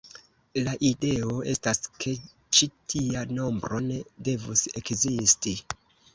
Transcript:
La ideo estas ke ĉi tia nombro ne devus ekzisti.